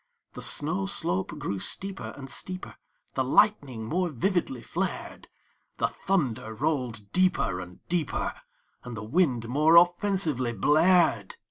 The snow slope grew steeper and steeper; The lightning more vividly flared; The thunder rolled deeper and deeper; And the wind more offensively blared.